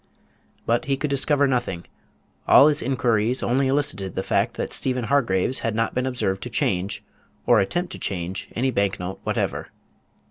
But he could discover nothing. All his inquiries only elicited the fact that Stephen Hargraves had not been observed to change, or attempt to change, any bank note whatever.